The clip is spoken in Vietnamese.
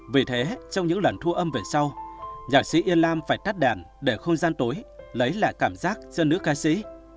vì thế trong những lần thu âm về sau nhạc sĩ yên lam phải tắt đàn để không gian tối lấy lại cảm giác dân nữ ca sĩ